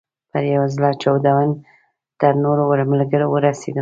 په یو زړه چاودون تر نورو ملګرو ورسېدم.